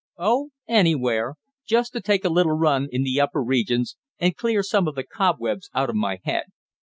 "Oh, anywhere. Just to take a little run in the upper regions, and clear some of the cobwebs out of my head.